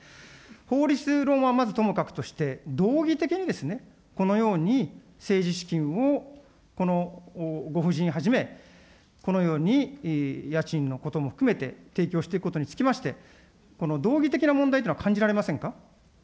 法律論はまずともかくとして、道義的にですね、このように、政治資金をこのご夫人はじめ、このように家賃のことも含めて、提供していくことにつきまして、道義的な問題というのは感じられま